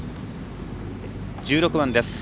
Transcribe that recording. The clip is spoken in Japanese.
１６番です。